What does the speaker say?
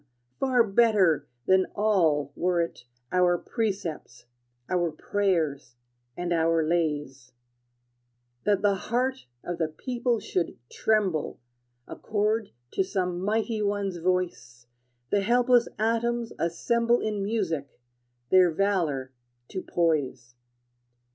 Far better than all were it Our precepts, our prayers, and our lays That the heart of the people should tremble Accord to some mighty one's voice, The helpless atoms assemble In music, their valor to poise.